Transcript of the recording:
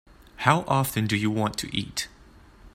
How often do you want to eat?